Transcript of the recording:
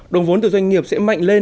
vâng một mùa xuân mới lại đến